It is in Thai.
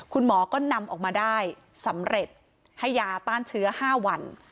คุณหมอก็นำออกมาได้สำเร็จให้ยาต้านเชื้อ๕วัน